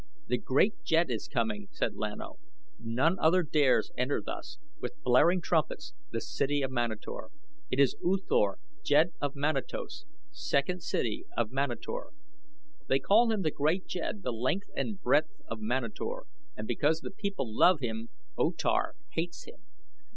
"The Great Jed is coming," said Lan O, "none other dares enter thus, with blaring trumpets, the city of Manator. It is U Thor, Jed of Manatos, second city of Manator. They call him The Great Jed the length and breadth of Manator, and because the people love him, O Tar hates him.